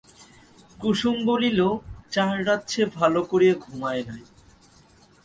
কুসুম বলিল, চার রাত সে ভালো করিয়া ঘুমায় নাই।